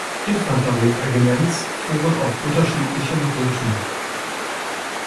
Infanterieregiments fuhren auf unterschiedlichen Routen.